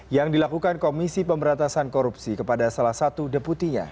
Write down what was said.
yang dilakukan komisi pemberantasan korupsi kepada salah satu deputinya